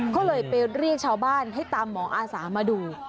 ก็เลยไปเรียกชาวบ้านให้ตามหมออาสามาดู